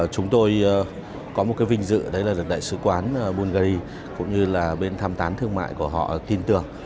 chúng tôi có một cái vinh dự đấy là đại sứ quán bungary cũng như là bên tham tán thương mại của họ tin tưởng